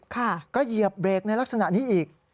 ก็เหยียบเบรกในลักษณะนี้อีก